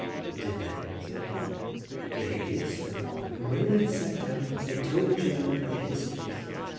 "And did they?" said I. "They did, sir; and when they had sat down they told each other their histories."